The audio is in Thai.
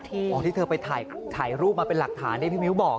อ๋อที่เธอไปถ่ายรูปมาเป็นหลักฐานที่พี่มิ้วบอก